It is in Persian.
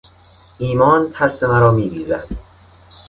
ایمان ترس مرا میریزد.